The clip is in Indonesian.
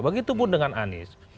begitu pun dengan anies